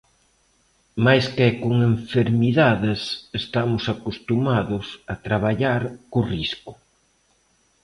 "Máis que con enfermidades, estamos acostumados a traballar co risco".